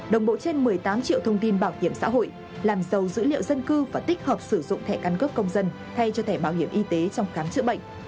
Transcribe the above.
đồng bộ trên một mươi tám triệu thông tin bảo hiểm xã hội làm giàu dữ liệu dân cư và tích hợp sử dụng thẻ căn cước công dân thay cho thẻ bảo hiểm y tế trong khám chữa bệnh